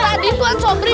iya bebek kota